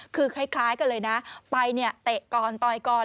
คือคล้ายกันเลยนะไปเนี่ยเตะก่อนต่อยก่อน